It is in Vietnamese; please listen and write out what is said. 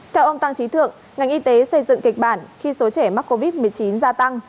theo ông tăng trí thượng ngành y tế xây dựng kịch bản khi số trẻ mắc covid một mươi chín gia tăng